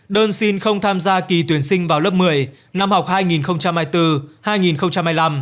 đơn xin không tham gia kỳ tuyển sinh vào lớp một mươi năm học hai nghìn hai mươi bốn hai nghìn hai mươi năm